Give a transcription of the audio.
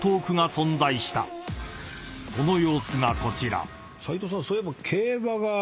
［その様子がこちら］